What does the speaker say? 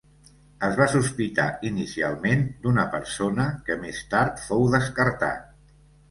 Es va sospitar inicialment d'una persona que més tard fou descartat.